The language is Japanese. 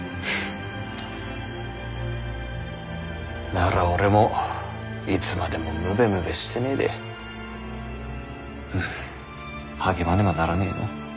なら俺もいつまでもムベムベしてねぇで励まねばならねぇのう。